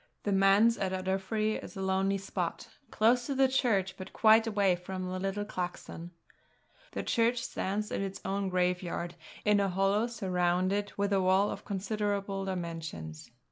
The Manse at Ardiffery is a lonely spot, close to the church, but quite away from the little clachan. The church stands in its own graveyard, in a hollow surrounded with a wall of considerable dimensions.